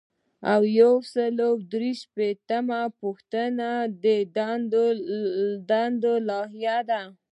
یو سل او درې شپیتمه پوښتنه د دندو لایحه ده.